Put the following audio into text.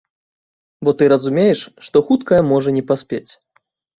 Бо ты разумееш, што хуткая можа не паспець.